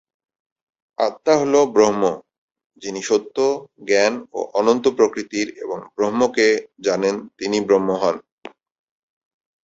আত্মা হল ব্রহ্ম যিনি সত্য, জ্ঞান ও অনন্ত প্রকৃতির এবং ব্রহ্মকে জানেন তিনি ব্রহ্ম হন।